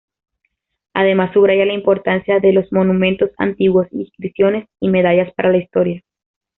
Además subraya la importancia de los monumentos antiguos, inscripciones y medallas para la historia.